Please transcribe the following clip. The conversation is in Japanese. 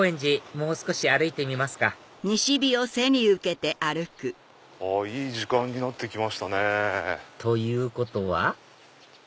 もう少し歩いてみますかいい時間になって来ましたね。ということは？